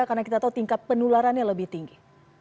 karena kita tahu tingkat penularannya lebih tinggi